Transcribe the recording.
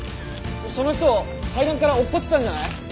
その人階段から落っこちたんじゃない？